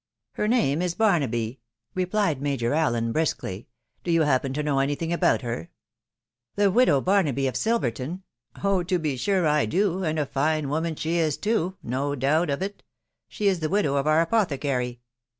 " Her name is Barnaby," replied Major Allen briskly ;" do you happen to know any thing about her ?"« The widow Barnaby of Silverto*? ".... Oh ! to be sure I do, and a fine woman she is too,— no doubt of it. She is the widow of our apothecary."